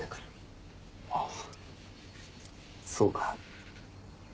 あそうか。